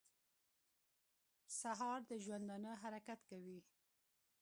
سهار د ژوندانه حرکت کوي.